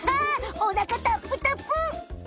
おなかたっぷたぷ！